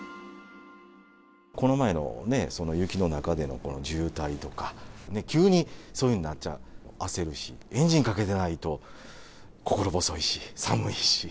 この前の雪の中での渋滞とか、急にそういうふうになっちゃ焦るし、エンジンかけてないと心細いし、寒いし。